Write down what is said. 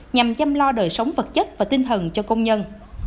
nhằm chăm lo đời sống vật chất và tinh thần cho công nhân